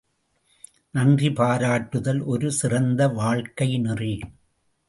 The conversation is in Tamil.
நன்றி பாராட்டுதல் ஒரு சிறந்த வாழ்க்கை நெறி.